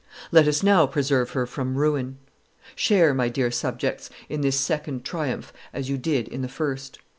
Let us now preserve her from ruin. Share, my dear subjects, in this second triumph as you did in the first.